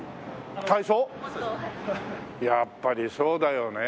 やっぱりそうだよね。